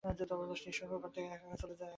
নিঃসঙ্গ ঘর থেকে একা-একা চলে যাওয়া যায় না।